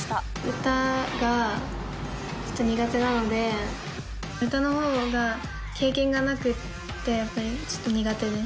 歌がちょっと苦手なので、歌のほうが経験がなくって、やっぱりちょっと苦手です。